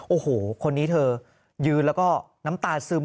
โอ้โหคนนี้เธอยืนแล้วก็น้ำตาซึม